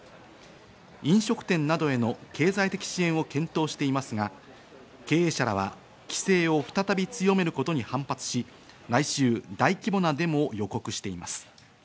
飲食店などへの経済的支援を検討していますが、経営者らは規制を再び強めることに反発し、来週、大規模なデモを予告しています。